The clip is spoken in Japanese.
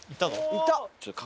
いった！